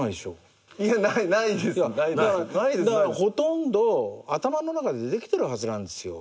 だからほとんど頭の中でできてるはずなんですよ。